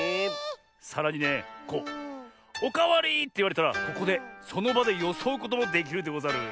さらにねこう「おかわり！」っていわれたらここでそのばでよそうこともできるでござる。